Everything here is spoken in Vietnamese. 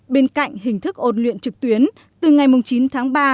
bên cạnh hình thức ôn luyện trực tuyến từ ngày chín tháng ba